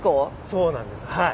そうなんですはい。